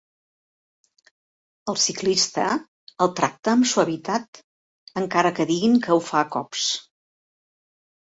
El ciclista el tracta amb suavitat, encara que diguin que ho fa a cops.